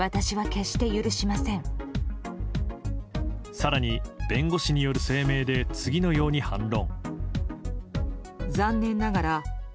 更に、弁護士による声明で次のように反論。